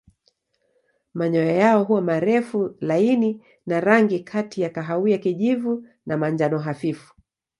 Manyoya yao huwa marefu laini na rangi kati ya kahawia kijivu na manjano hafifu.